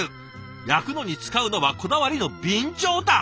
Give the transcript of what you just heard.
焼くのに使うのはこだわりの備長炭。